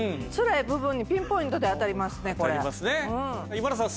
今田さん